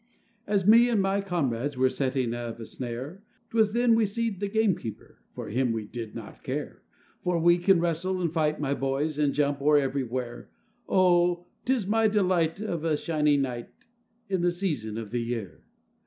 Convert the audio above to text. As me and my comrades were setting of a snare, 'Twas then we seed the gamekeeper—for him we did not care, For we can wrestle and fight, my boys, and jump o'er everywhere:— Oh! 'tis my delight of a shiny night, in the season of the year.